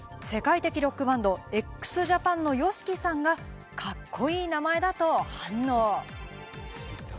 すると、世界的ロックバンド、ＸＪＡＰＡＮのＹＯＳＨＩＫＩさんが「カッコいい名前だ」と反応。